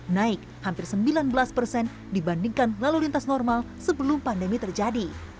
naik hampir sembilan belas persen dibandingkan lalu lintas normal sebelum pandemi terjadi